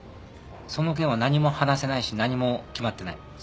その件は何も話せないし何も決まってない。